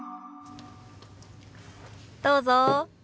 どうぞ。